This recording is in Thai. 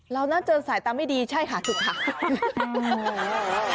เราน่าเจอสายตาไม่ดีใช่ค่ะสุขค่ะ